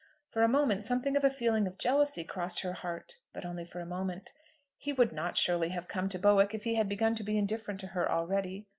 For a moment something of a feeling of jealousy crossed her heart, but only for a moment. He would not surely have come to Bowick if he had begun to be indifferent to her already!